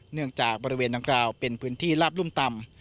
เนื่องจากบริเวณดังกล่าวเป็นพื้นที่ลาบลุ่มต่ำ